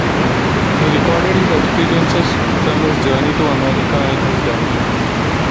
He recorded his experiences from his journey to America in his diary.